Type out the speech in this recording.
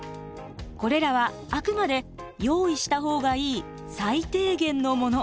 これらはあくまで用意したほうがいい最低限のもの。